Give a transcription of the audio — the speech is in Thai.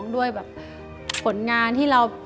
ด้วยแบบ